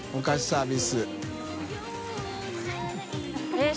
えっ